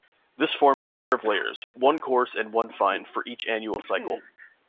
This forms a pair of layers-one coarse and one fine-for each annual cycle.